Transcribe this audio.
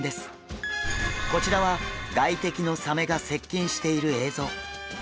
こちらは外敵のサメが接近している映像。